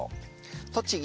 栃木